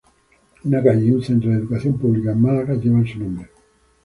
Una calle y un centro de educación pública en Málaga llevan su nombre.